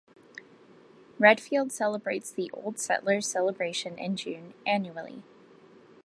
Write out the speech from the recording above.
Redfield celebrates the Old Settlers Celebration in June annually.